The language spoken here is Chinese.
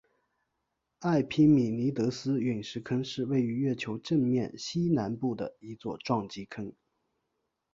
埃庇米尼得斯陨石坑是位于月球正面西南部的一座撞击坑。